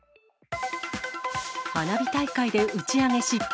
花火大会で打ち上げ失敗。